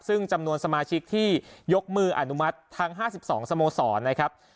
ซึ่งจำนวนสมาชิกที่ยกมืออนุมัติทั้ง๕๒สโมสรนะครับ